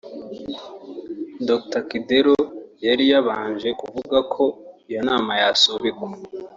Dr Kidero yari yabanje kuvuga ko iyo nama yasubikwa